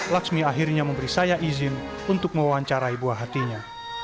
laksmi akhirnya memberi saya izin untuk mewawancarai buah hatinya